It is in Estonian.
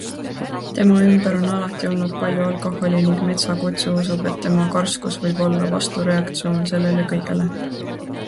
Tema ümber on alati olnud palju alkoholi ning Metsakutsu usub, et tema karskus võib olla vastureaktsioon sellele kõigele.